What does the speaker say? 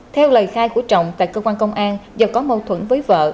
theo lời khai của trọng tại cơ quan công an do có mâu thuẫn với vợ